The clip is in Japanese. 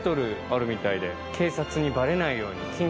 警察にバレないように。